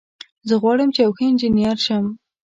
زه غواړم چې یو ښه انجینر شم